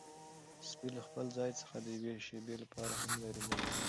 سپی له خپل ځای څخه د یوې شېبې لپاره هم لیرې نه شو.